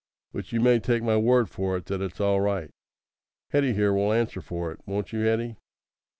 But you may take my word for it that it's all right. Hetty here will answer for it. Won't you, Hetty?"